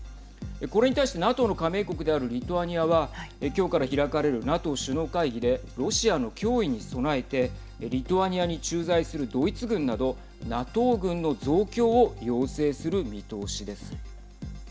これに対してＮＡＴＯの加盟国であるリトアニアはきょうから開かれるＮＡＴＯ首脳会議でロシアの脅威に備えてリトアニアに駐在するドイツ軍などＮＡＴＯ軍の増強を要請する見通しです。